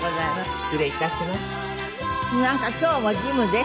失礼いたします。